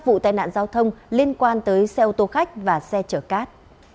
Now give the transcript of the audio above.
vụ tai nạn giao thông liên quan tới xe ô tô khách và xe chở cát